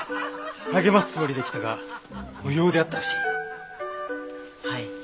励ますつもりで来たが無用であったらしい。